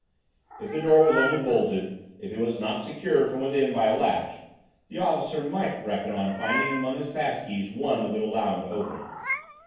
If the door was only bolted, if it was not secured from within by a latch, the officer might reckon on finding among his pass keys one that would allow him to open it.